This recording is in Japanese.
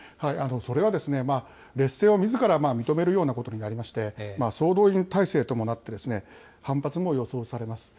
それは劣勢をみずから認めるようなことになりまして、総動員体制ともなって、反発も予想されます。